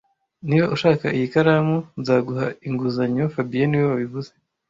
Niba ushaka iyi karamu, nzaguha inguzanyo fabien niwe wabivuze